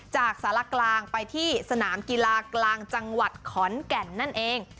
จากสารกลางไปที่สนามกีฬากลางจังหวัดขอนแก่นนั่นเอง